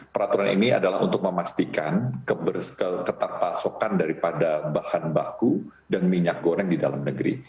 peraturan ini adalah untuk memastikan keketat pasokan daripada bahan baku dan minyak goreng di dalam negeri